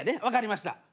分かりました。